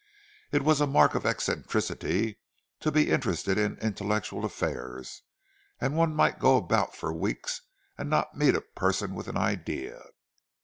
It was a mark of eccentricity to be interested in intellectual affairs, and one might go about for weeks and not meet a person with an idea.